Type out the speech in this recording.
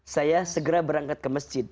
saya segera berangkat ke masjid